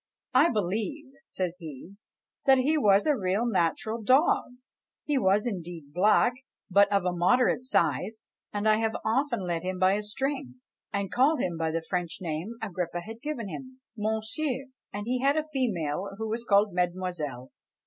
"I believe," says he, "that he was a real natural dog; he was indeed black, but of a moderate size, and I have often led him by a string, and called him by the French name Agrippa had given him, Monsieur! and he had a female who was called Mademoiselle!